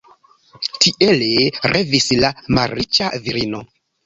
Tiel revis la malriĉa virino.